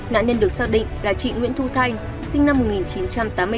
nạn nhân được xác định là chị nguyễn thu thanh sinh năm một nghìn chín trăm tám mươi ba